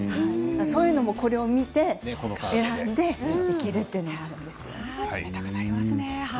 そういうのも、これを見て選んでいけるというんですね。